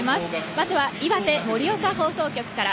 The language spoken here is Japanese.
まずは岩手、森岡放送局から。